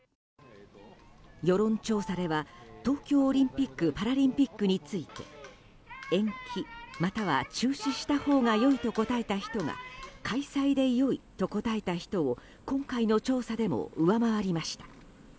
世論調査では東京オリンピック・パラリンピックについて延期または中止したほうが良いと答えた人が開催で良いと答えた人を今回の調査でも上回りました。